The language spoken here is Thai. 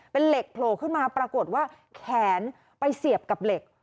เป็นเหล็กโผล่ขึ้นมาปรากฏว่าแขนไปเสียบกับเหล็ก